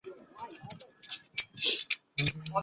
之后出任多项公职。